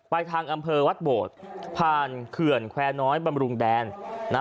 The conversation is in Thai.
ทางอำเภอวัดโบดผ่านเขื่อนแควร์น้อยบำรุงแดน